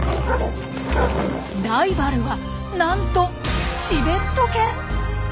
ライバルはなんとチベット犬！？